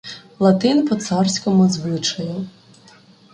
Латин по царському звичаю